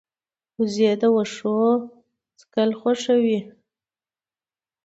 وزې د واښو څکل خوښوي